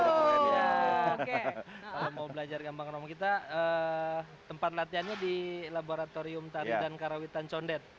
kalau mau belajar gampang gampang kita tempat latihannya di laboratorium tari dan karawitan condet